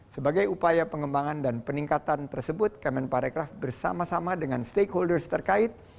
sebagai upaya pengembangan dan peningkatan tersebut kemen parekraf bersama sama dengan stakeholders terkait